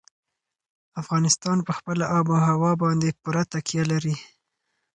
افغانستان په خپله آب وهوا باندې پوره تکیه لري.